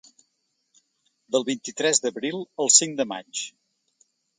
Del vint-i-tres d’abril al cinc de maig.